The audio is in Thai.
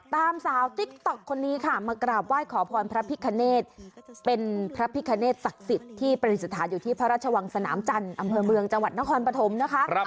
สาวติ๊กต๊อกคนนี้ค่ะมากราบไหว้ขอพรพระพิคเนธเป็นพระพิคเนตศักดิ์สิทธิ์ที่ประดิษฐานอยู่ที่พระราชวังสนามจันทร์อำเภอเมืองจังหวัดนครปฐมนะคะ